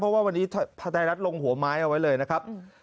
เพราะว่าวันนี้ไทยรัฐลงหัวไม้เอาไว้เลยนะครับ